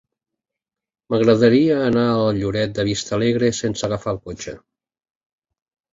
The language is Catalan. M'agradaria anar a Lloret de Vistalegre sense agafar el cotxe.